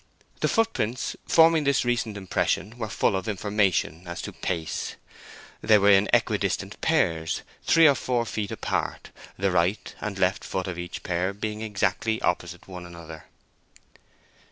The footprints forming this recent impression were full of information as to pace; they were in equidistant pairs, three or four feet apart, the right and left foot of each pair being exactly opposite one another.